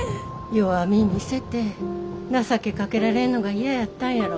弱み見せて情けかけられんのが嫌やったんやろ。